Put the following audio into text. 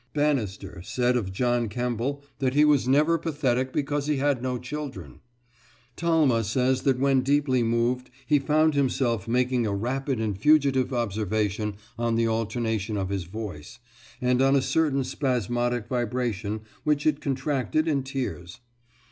Bannister said of John Kemble that he was never pathetic because he had no children. Talma says that when deeply moved he found himself making a rapid and fugitive observation on the alternation of his voice, and on a certain spasmodic vibration which it contracted in tears.